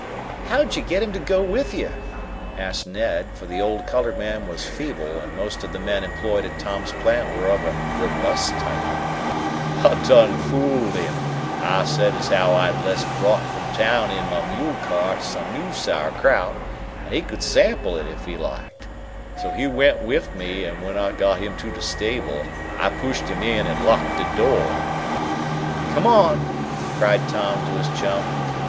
"How'd you get him to go with you?" asked Ned, for the old colored man was feeble, and most of the men employed at Tom's plant were of a robust type. "I done fooled him. I said as how I'd jest brought from town in mah mule cart some new sauerkraut, an' he could sample it if he liked. So he went wif me, an' when I got him to de stable I pushed him in and locked de door!" "Come on!" cried Tom to his chum.